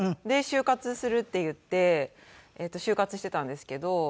で就活するっていって就活してたんですけど